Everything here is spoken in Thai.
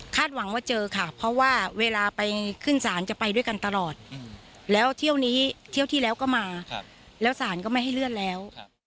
หวังว่าเจอค่ะเพราะว่าเวลาไปขึ้นศาลจะไปด้วยกันตลอดแล้วเที่ยวนี้เที่ยวที่แล้วก็มาแล้วศาลก็ไม่ให้เลื่อนแล้ว